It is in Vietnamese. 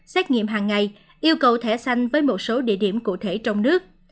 xét nghiệm hàng ngày yêu cầu thẻ xanh với một số địa điểm cụ thể trong nước